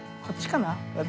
こっちかな？